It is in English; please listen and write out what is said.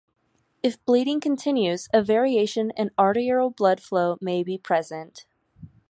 If bleeding continues, a variation in arterial blood flow may be present.